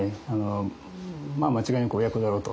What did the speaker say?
まあ間違いなく親子だろうと。